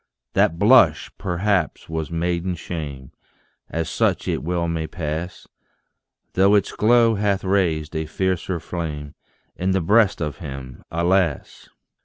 That blush, perhaps, was maiden shame As such it well may pass Though its glow hath raised a fiercer flame In the breast of him, alas!